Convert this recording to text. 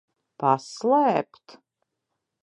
Paslēpt?